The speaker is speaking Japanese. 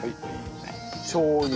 しょう油。